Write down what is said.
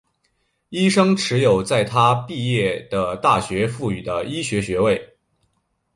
医生持有在他毕业的大学赋予的医学学位。